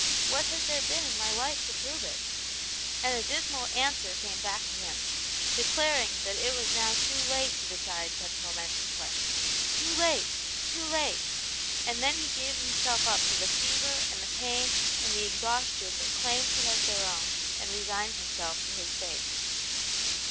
What has there been Jn.aly life to prove it ?" And a dismal a\\?N^'tx_f*^x^^\<^<« 40 Atmi Janets Hero. to him, declaring that it was now too late to decide such momentous questions ; too late ! too late ! And then he gave himself up to the fever and the pain and the exhaustion that claimed him as their own, and »• resigned himself to his fate.